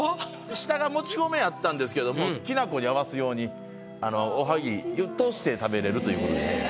下がもち米やったんですけどもきな粉に合わすようにおはぎを通して食べれるということで。